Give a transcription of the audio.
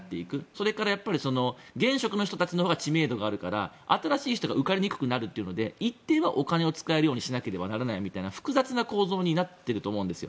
それから現職の人たちのほうが知名度があるから新しい人が受かりにくくなるので一定はお金を使えなくてはいけないとか複雑な構造になっていると思います。